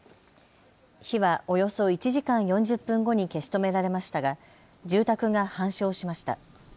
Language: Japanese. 火は、およそ１時間４０分後に消し止められましたが住宅が半焼しました。